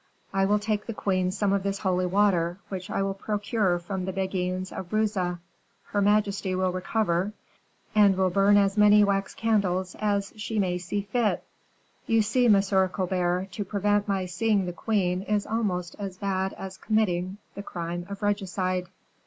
I will take the queen some of this holy water, which I will procure from the Beguines of Bruges; her majesty will recover, and will burn as many wax candles as she may see fit. You see, Monsieur Colbert, to prevent my seeing the queen is almost as bad as committing the crime of regicide."